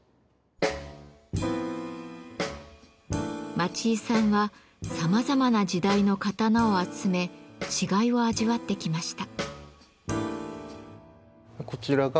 町井さんはさまざまな時代の刀を集め違いを味わってきました。